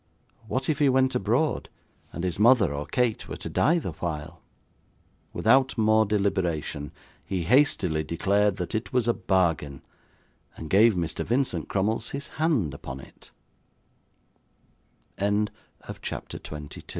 What if he went abroad, and his mother or Kate were to die the while? Without more deliberation, he hastily declared that it was a bargain, and gave Mr. Vincent Crummles his hand u